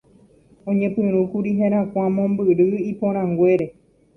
oñepyrũkuri herakuã mombyry iporãnguére